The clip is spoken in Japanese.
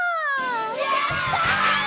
やった！